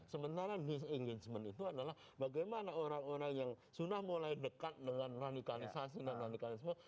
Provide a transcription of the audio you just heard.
sementara disengajement itu adalah bagaimana orang orang yang sudah mulai dekat dengan radikalisasi dan radikalisme